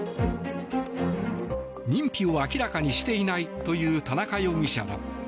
認否を明らかにしていないという田中容疑者ら。